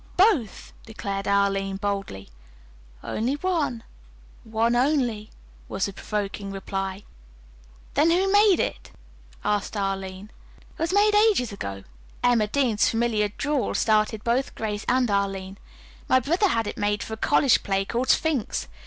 "Both," declared Arline boldly. "Only one, only one," was the provoking reply. "Then, who made it?" asked Arline. "It was made ages ago." Emma Dean's familiar drawl startled both Grace and Arline. "My brother had it made for a college play called 'Sphinx.'